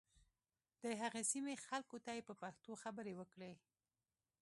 د هغې سیمې خلکو ته یې په پښتو خبرې وکړې.